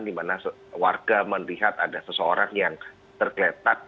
di mana warga melihat ada seseorang yang tergeletak